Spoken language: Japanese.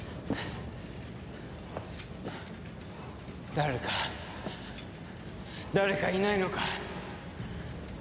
誰か誰かいないのか？